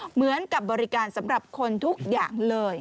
เหมือนกับบริการสำหรับคนทุกอย่างเลย